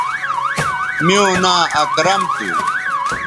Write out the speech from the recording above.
میوں ناں اکرم تھو